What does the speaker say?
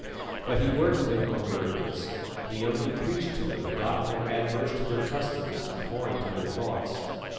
But he worked no more miracles; he only preached to them a doctrine adverse to their customs and foreign to their thoughts.